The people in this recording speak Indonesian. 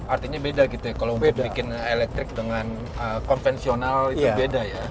artinya beda gitu ya kalau bikin elektrik dengan konvensional itu beda ya